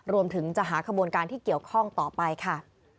รวมถึงจะหาขบวนการที่เกี่ยวข้องต่อไปค่ะ